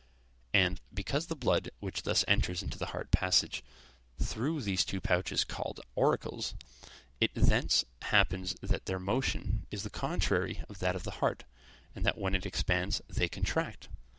And, because the blood which thus enters into the heart passes through these two pouches called auricles, it thence happens that their motion is the contrary of that of the heart, and that when it expands they contract.